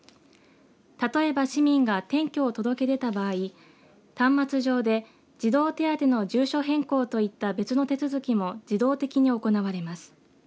例えば市民が転居を届け出た場合端末上で児童手当の住所変更といった別の手続きも自動的に行われます。